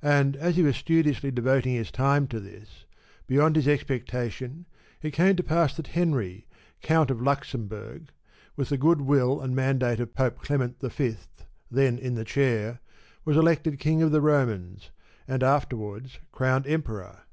And as he was studiously devoting his time to this, beyond his expectation it came to pass that Henry, Count of Luxemburg, with the good will and mandate of Pope Clement V., then in the 35 Chair, was elected King of the Romans, and afterwards crowned Emperor.